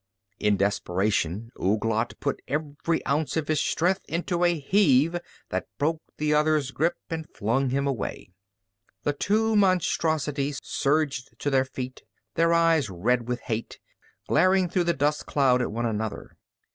In desperation Ouglat put every ounce of his strength into a heave that broke the other's grip and flung him away. The two monstrosities surged to their feet, their eyes red with hate, glaring through the dust cloud at one another.